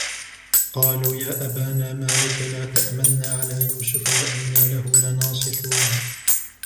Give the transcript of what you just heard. قالوا يا أبانا ما لك لا تأمنا على يوسف وإنا له لناصحون